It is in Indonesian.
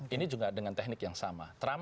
ini juga dengan teknik yang sama trump